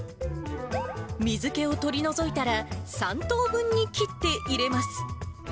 水けを取り除いたら、３等分に切って入れます。